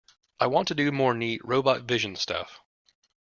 I want to do more neat robot vision stuff.